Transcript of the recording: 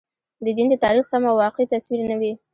د دین د تاریخ سم او واقعي تصویر نه وي.